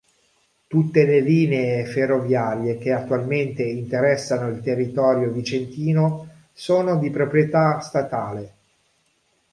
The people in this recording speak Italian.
Tutte le linee ferroviarie che attualmente interessano il territorio vicentino sono di proprietà statale.